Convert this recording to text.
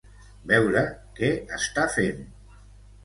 Veuré què està fent.